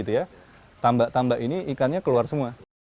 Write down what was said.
tambak tambak ini ikannya keluar semua